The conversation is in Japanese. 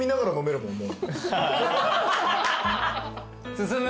進む？